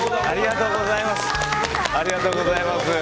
ありがとうございます。